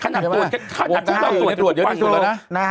น่ะขนาดตรวจเยอะที่สุดและ